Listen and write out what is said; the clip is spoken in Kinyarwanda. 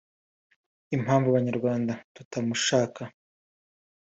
Impamvu abanyarwanda tutamushaka